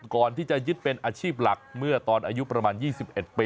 ก่อนที่จะยึดเป็นอาชีพหลักเมื่อตอนอายุประมาณ๒๑ปี